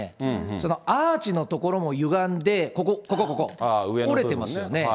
そのアーチの所もゆがんで、ここ、ここここ。折れてますよね。